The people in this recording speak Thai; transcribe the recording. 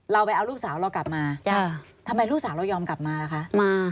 เราไปเอาลูกสาวเรากลับมาทำไมลูกสาวเรายอมกลับมาล่ะคะมา